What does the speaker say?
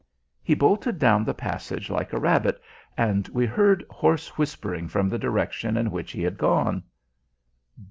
He bolted down the passage like a rabbit, and we heard hoarse whispering from the direction in which he had gone.